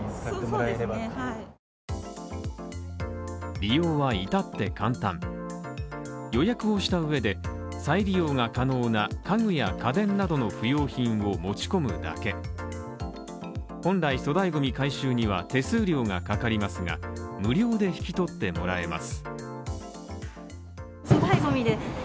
利用はいたって簡単予約をした上で再利用が可能な家具や家電などの不要品を持ち込むだけ本来粗大ゴミ回収には手数料がかかりますが、無料で引き取ってもらえます。